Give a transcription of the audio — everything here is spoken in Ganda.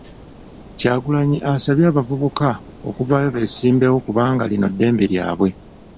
Kyagulanyi asabye abavubuka okuvaayo beesimbewo kubanga lino ddembe lyabwe.